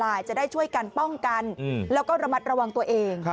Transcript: จะได้ช่วยกันป้องกันแล้วก็ระมัดระวังตัวเอง